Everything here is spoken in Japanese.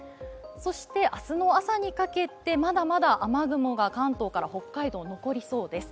そして明日の朝にかけてまだまだ雨雲、関東、残りそうです。